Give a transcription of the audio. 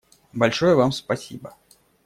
Большое Вам спасибо.